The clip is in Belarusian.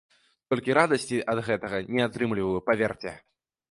Толькі радасці ад гэтага не атрымліваю, паверце.